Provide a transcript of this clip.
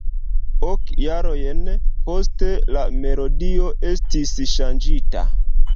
Ok jarojn poste la melodio estis ŝanĝita.